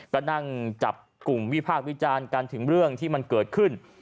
ก็นั่งจับกลุ่มวิพากษ์วิจารณ์กันถึงเรื่องที่มันเกิดขึ้น